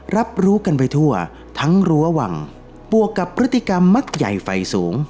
รับรู้กันไปทั่วทั้งรั้ววังบวกกับพฤติกรรมมักใหญ่ไฟสูง